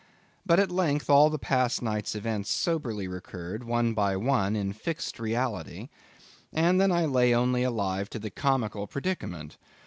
But at length all the past night's events soberly recurred, one by one, in fixed reality, and then I lay only alive to the comical predicament.